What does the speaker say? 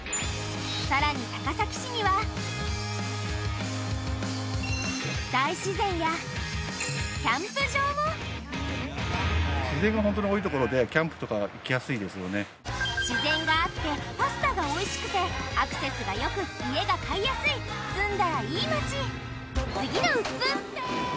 さらに高崎市には大自然やキャンプ場も自然があってパスタがおいしくてアクセスがよく家が買いやすい住んだらいい街